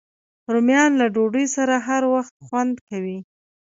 رومیان له ډوډۍ سره هر وخت خوند کوي